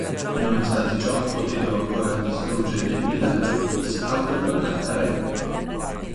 Nonostante ciò, potendo ancora distruggere il villaggio, si autoproclama re.